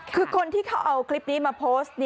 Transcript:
คือคนที่เขาเอาคลิปนี้มาโพสต์